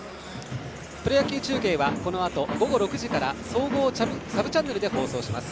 プロ野球中継はこのあと午後６時から総合サブチャンネルで放送します。